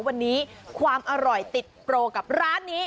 วันนี้ความอร่อยติดโปรกับร้านนี้